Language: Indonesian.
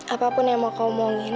apapun yang mau ke omongin